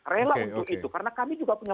rela untuk itu karena kami juga punya